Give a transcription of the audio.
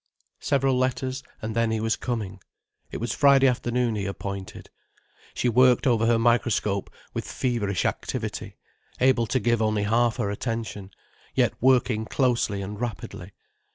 Several letters, and then he was coming. It was Friday afternoon he appointed. She worked over her microscope with feverish activity, able to give only half her attention, yet working closely and rapidly.